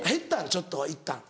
ちょっといったん。